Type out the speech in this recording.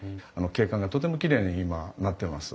景観がとてもきれいに今なってます。